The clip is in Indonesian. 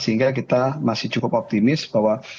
sehingga kita masih cukup optimis bahwa